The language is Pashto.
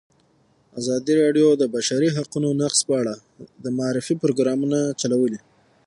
ازادي راډیو د د بشري حقونو نقض په اړه د معارفې پروګرامونه چلولي.